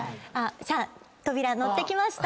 さあ扉乗ってきました。